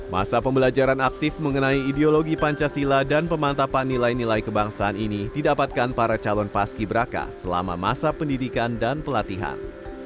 masa pembelajaran aktif mengenai ideologi pancasila dan pemantapan nilai nilai kebangsaan ini didapatkan para calon paski beraka selama masa pendidikan dan pelatihan